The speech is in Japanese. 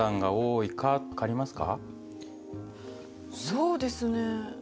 そうですね。